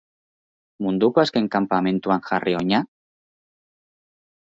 Munduko azken kanpamentuan jarri oina?